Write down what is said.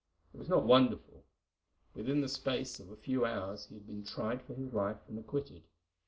It was not wonderful. Within the space of a few hours he had been tried for his life and acquitted.